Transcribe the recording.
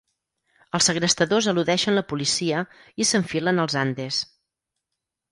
Els segrestadors eludeixen la policia i s'enfilen als Andes.